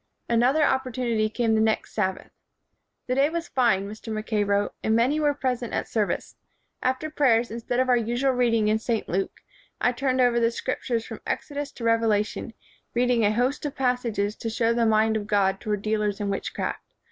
Another opportunity came the next Sab 122 KING AND WIZARD bath. "The da} T was very fine," Mr. Mac kay wrote, "and many were present at ser vice. After prayers, instead of our usual reading in St. Luke, I turned over the Scriptures from Exodus to Revelation, read ing a host of passages to show the mind of God toward dealers in witchcraft.